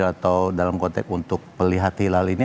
atau dalam konteks untuk melihat hilal ini